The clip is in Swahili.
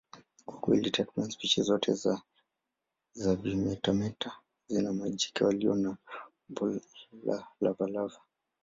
Kwa kweli, takriban spishi zote za vimetameta zina majike walio na umbo la lava.